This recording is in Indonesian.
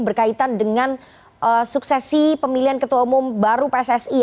berkaitan dengan suksesi pemilihan ketua umum baru pssi